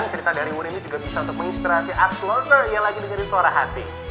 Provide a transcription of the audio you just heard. cerita dari wur ini juga bisa untuk menginspirasi uplorter yang lagi dengerin suara hati